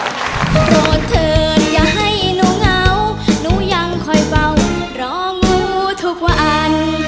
โกรธเถิดอย่าให้หนูเหงาหนูยังคอยเบารองูทุกวัน